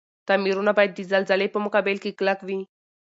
تعميرونه باید د زلزلي په مقابل کي کلک وی.